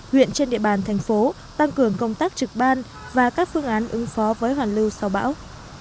huyện trên địa bàn thành phố tăng cường công tác trực ban và các phương án ứng phó với hoàn lưu sau bão